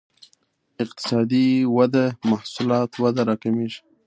اقتصادي وده محصولات وده راکمېږي.